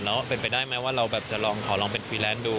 แล้วเป็นไปได้ไหมว่าเราแบบจะลองขอลองเป็นฟรีแลนซ์ดู